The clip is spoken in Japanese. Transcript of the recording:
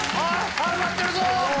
始まってるぞ！